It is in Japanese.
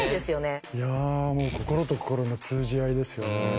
いやもう心と心の通じ合いですよね。